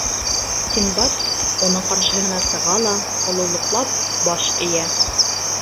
Синдбад уның ҡаршыһына сыға ла ололоҡлап баш эйә: